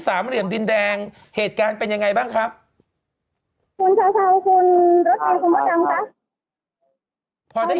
สามเหลี่ยมดินแดงเหตุการณ์เป็นยังไงบ้างครับคุณเช้าเช้าคุณรถดิน